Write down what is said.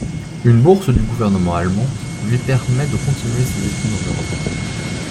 Une bourse du gouvernement allemand lui permet de continuer ses études en Europe.